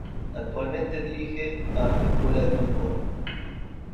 Actualmente dirige a Escuela de Fútbol.